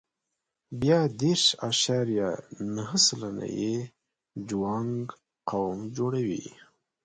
بیا دېرش اعشاریه نهه سلنه یې جوانګ قوم جوړوي.